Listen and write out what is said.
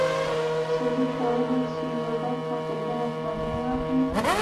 شریک کولی شي یوه برخه په زر افغانۍ واخلي